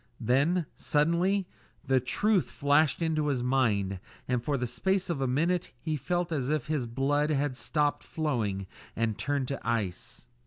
Then, suddenly, the truth flashed into his mind, and for the space of a minute he felt as if his blood had stopped flowing and turned to ice.